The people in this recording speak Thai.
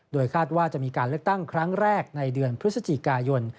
โดยคาดว่าจะมีการเลือกตั้งครั้งแรกในเดือนพฤศจิกายน